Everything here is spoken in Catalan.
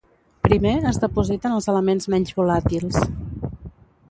Primer es depositen els elements menys volàtils.